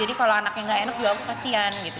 jadi kalau anaknya gak enak juga aku kasihan gitu